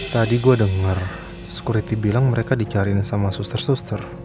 tadi gue dengar security bilang mereka dicariin sama suster suster